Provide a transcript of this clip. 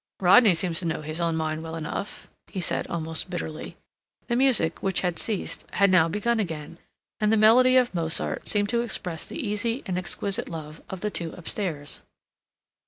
"Rodney seems to know his own mind well enough," he said almost bitterly. The music, which had ceased, had now begun again, and the melody of Mozart seemed to express the easy and exquisite love of the two upstairs.